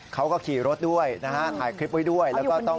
เขาก็ขี่รถด้วยนะครับถ่ายคลิปไว้ด้วย